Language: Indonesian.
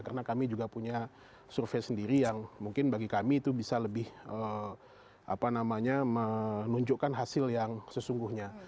karena kami juga punya survei sendiri yang mungkin bagi kami itu bisa lebih apa namanya menunjukkan hasil yang sesungguhnya